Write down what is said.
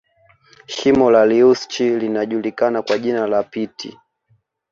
Shimo la reusch linajulikana kwa jina la pit